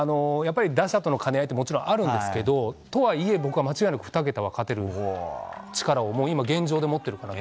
打者との兼ね合いももちろんあるんですけどとはいえ、２桁は勝てる力を今現状で持ってるかなと。